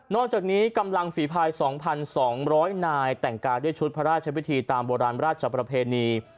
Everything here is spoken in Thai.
จากนี้กำลังฝีภาย๒๒๐๐นายแต่งกายด้วยชุดพระราชวิธีตามโบราณราชประเพณี